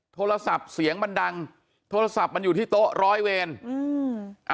โทรศัพท์เสียงมันดังโทรศัพท์มันอยู่ที่โต๊ะร้อยเวรอืม